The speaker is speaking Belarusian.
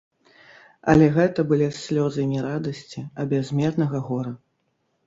Але гэта былі слёзы не радасці, а бязмернага гора.